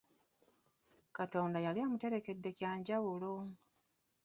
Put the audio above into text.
Katonda ye yali amuterekedde kyanjawulo!